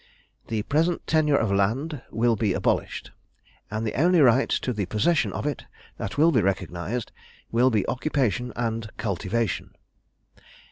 The present tenure of land will be abolished, and the only rights to the possession of it that will be recognised will be occupation and cultivation.